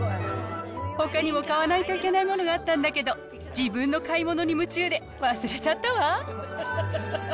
ほかにも買わないといけないものがあったんだけど、自分の買い物に夢中で、忘れちゃったわ。